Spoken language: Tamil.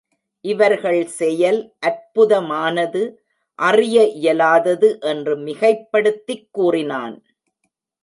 இவர்கள் செயல் அற்புதமானது, அறிய இயலாதது என்று மிகைப்படுத்திக் கூறினான்.